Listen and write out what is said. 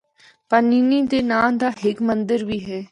پانینی دے ناں دا ہک مندر بھی ہے۔